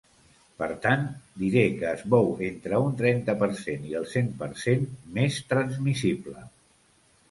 Per tant, diré que es mou entre un trenta per cent i el cent per cent més transmissible.